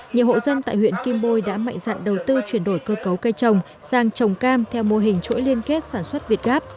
nhiều hộ dân tại huyện kim bôi đã mạnh dạn đầu tư chuyển đổi cơ cấu cây trồng sang trồng cam theo mô hình chuỗi liên kết sản xuất việt gáp